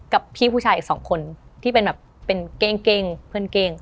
กับพี่ผู้ชายอีกสองคนที่เป็นแบบเป็นเก้งเพื่อนเก้ง